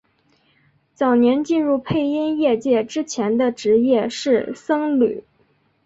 早年进入配音业界之前的职业是僧侣。